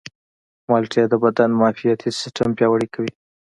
مالټې د بدن معافیتي سیستم پیاوړی کوي.